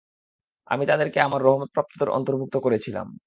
আমি তাদেরকে আমার রহমতপ্রাপ্তদের অন্তর্ভুক্ত করেছিলাম।